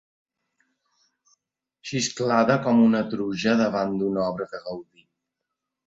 Xisclada com una truja davant d'una obra de Gaudí.